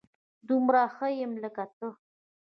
دومره ښه يم لکه ته